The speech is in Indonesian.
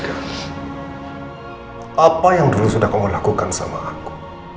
apa yang dulu sudah kamu lakukan sama aku